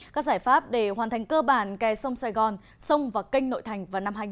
các giải pháp để hoàn thành cơ bản kè sông sài gòn sông và canh nội thành vào năm hai nghìn hai mươi